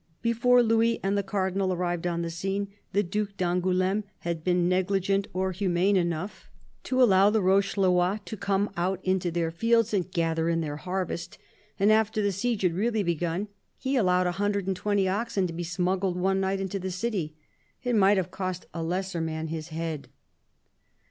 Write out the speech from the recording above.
Before Louis and the Cardinal arrived on the scene, the Due d'Angouleme had been negligent or humane enough to LOUIS XIII THE CARDINAL 189 allow the Rochellois to come out into their fields and gather in their harvest; and after the siege had really begun, he allowed a hundred and twenty oxen to be smuggled one night into the city. It might have cost a lesser man his head.